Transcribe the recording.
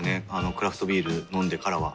クラフトビール飲んでからは。